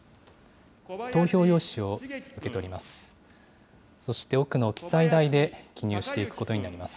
投票用紙を受け取ります。